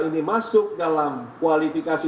ini masuk dalam kualifikasi